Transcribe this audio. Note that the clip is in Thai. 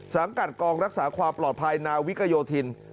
สังกัดกองรักษาความปลอดภัยนาวิกโยธิน